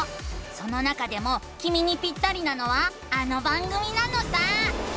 その中でもきみにピッタリなのはあの番組なのさ！